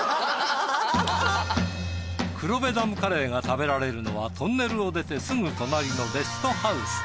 黒部ダムカレーが食べられるのはトンネルを出てすぐ隣のレストハウス。